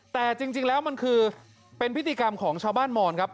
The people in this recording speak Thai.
แต่จริงแล้วมันคือเป็นพิธีกรรมของชาวบ้านมอนครับ